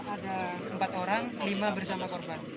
ada empat orang lima bersama korban